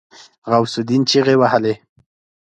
غوث الدين چيغې وهلې.